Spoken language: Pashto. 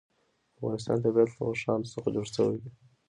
د افغانستان طبیعت له اوښانو څخه جوړ شوی دی.